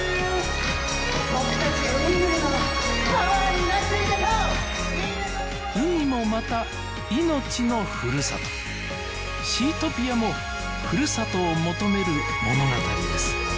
僕たちウミングルのパワーになって海もまた命のふるさと「シートピア」もふるさとを求める物語です